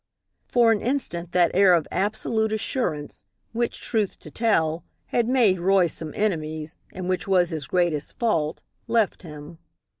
For an instant that air of absolute assurance, which truth to tell, had made Roy some enemies, and which was his greatest fault, left him.